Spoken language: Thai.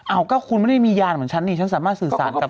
ก็คุณไม่ได้มียานเหมือนฉันนี่ฉันสามารถสื่อสารกับ